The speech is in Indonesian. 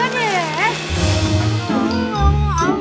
buah apaan ini